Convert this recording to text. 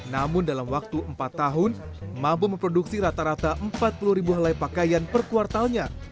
namun dalam waktu empat tahun mampu memproduksi rata rata empat puluh ribu helai pakaian per kuartalnya